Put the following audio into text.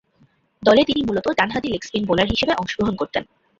দলে তিনি মূলতঃ ডানহাতি লেগ স্পিন বোলার হিসেবে অংশগ্রহণ করতেন।